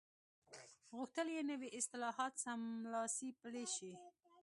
غوښتل یې نوي اصلاحات سملاسي پلي شي.